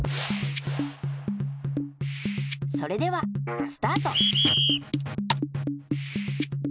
それではスタート！